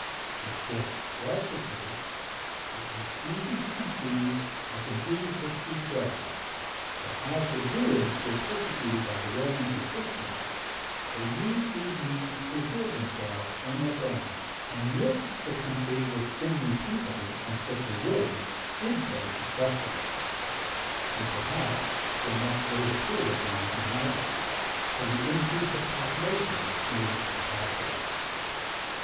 If this was the case, it is easy to conceive, as indeed history shows, that, as the Druids were persecuted by the Romans and Christians, they used these means to preserve themselves and their families, and whilst the country was thinly peopled, and thickly wooded, did so successfully; and, perhaps, to a much later period than is imagined: till the increase of population made it impossible.